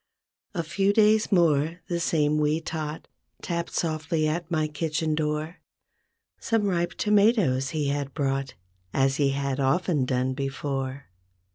A few days more, the same wee tot Tapped softly at my kitchen door. Some ripe tomatoes he had brought As he had often done before.